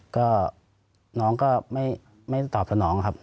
ก็น้องก็ไม่ตอบสนองครับ